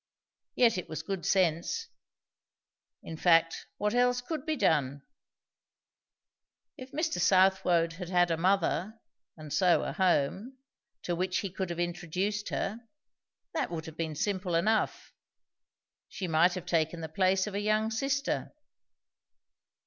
Yet it was good sense. In fact, what else could be done? If Mr. Southwode had had a mother, and so a home, to which he could have introduced her; that would have been simple enough. She might have taken the place of a young sister.